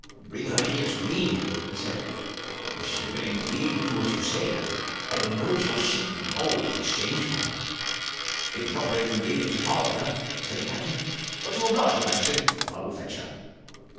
"Bring her here to me," he said. "If she will indeed do what you say, I will load your ship with gold in exchange for her!" "It is not very convenient to part with her," said the captain, "but to oblige your majesty, I will fetch her."